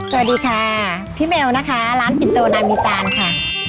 สวัสดีค่ะพี่เมลนะคะร้านปินโตนามิตานค่ะ